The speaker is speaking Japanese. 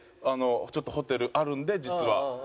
「あのちょっとホテルあるんで実は。